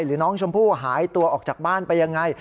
หรือน้องชมพู่หายตัวออกจากบ้านไปยังไง